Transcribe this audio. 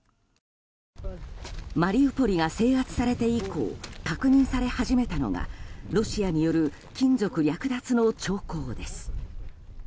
マリウポリが制圧されて以降確認され始めたのがロシアによる金属略奪の兆候です。